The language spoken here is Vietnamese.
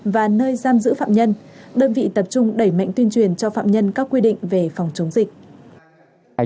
và nơi giam giữ phạm nhân đơn vị tập trung đẩy mạnh tuyên truyền cho phạm nhân các quy định về phòng chống dịch